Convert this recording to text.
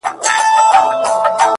لس ډوله تعبیرونه وړاندي کړي -